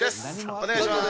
お願いします！